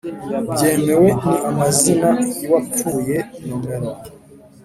byemewe ni amazina y uwapfuye nomero